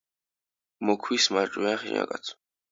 მოქვის მარჯვენა შენაკადს.